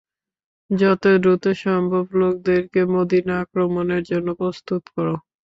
যত দ্রুত সম্ভব লোকদেরকে মদীনা আক্রমণের জন্য প্রস্তুত কর।